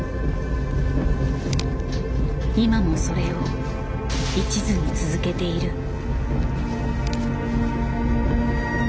今もそれを一途に続けている。